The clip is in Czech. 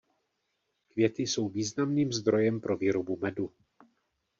Květy jsou významným zdrojem pro výrobu medu.